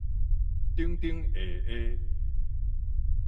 頂頂下下